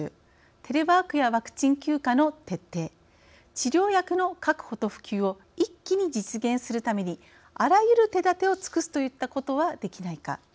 テレワークやワクチン休暇の徹底治療薬の確保と普及を一気に実現するためにあらゆる手だてを尽くすといったことはできないか。